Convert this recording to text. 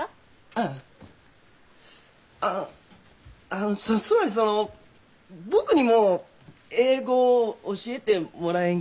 うんあのつまりその僕にも英語を教えてもらえんかなと思って。